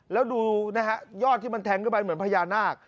แล้วดูนะฮะยอดที่มันแทงเข้าไปเหมือนพญานาค